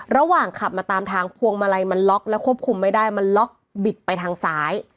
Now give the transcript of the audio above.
ระหว่างขับมาตามทางพวงมาลัยมันล็อกแล้วควบคุมไม่ได้มันล็อกบิดไปทางซ้าย